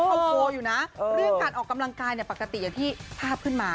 เขาโพลอยู่นะเรื่องการออกกำลังกายเนี่ยปกติอย่างที่ภาพขึ้นมา